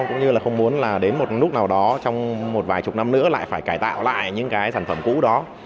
cũng như là không muốn là đến một lúc nào đó trong một vài chục năm nữa lại phải cải tạo lại những cái sản phẩm cũ đó